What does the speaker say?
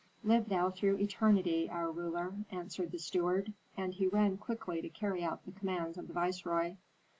"Live thou through eternity, our ruler!" answered the steward: and he ran quickly to carry out the commands of the viceroy.